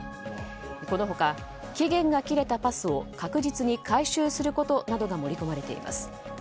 この他、期限が切れたパスを確実に回収することなどが盛り込まれています。